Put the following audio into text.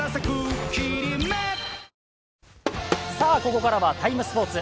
ここからは「ＴＩＭＥ，スポーツ」